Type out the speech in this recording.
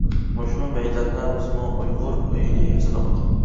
مۇشۇ مەيداندا بىزمۇ «ئۇيغۇر ئۆيىنى» ياسىدۇق.